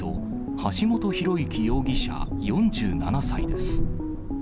橋本寛之容疑者４７歳です。